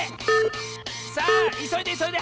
さあいそいでいそいで！